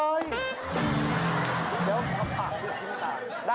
เดี๋ยวมาทำปากนิดสิ้งตาม